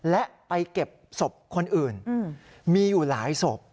และไปเก็บศพคนอื่นมีอยู่หลายศพ